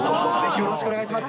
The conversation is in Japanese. よろしくお願いします。